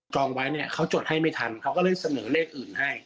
องไว้เนี่ยเขาจดให้ไม่ทันเขาก็เลยเสนอเลขอื่นให้